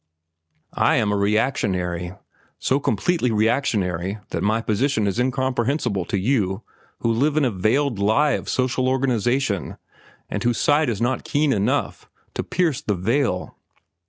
"I am a reactionary—so complete a reactionary that my position is incomprehensible to you who live in a veiled lie of social organization and whose sight is not keen enough to pierce the veil.